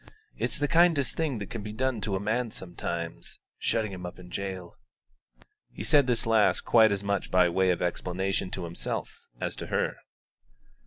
It's the kindest thing that can be done to a man sometimes, shutting him up in jail." He said this last quite as much by way of explanation to himself as to her.